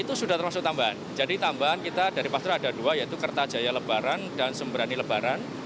itu sudah termasuk tambahan jadi tambahan kita dari pasar ada dua yaitu kertajaya lebaran dan sembrani lebaran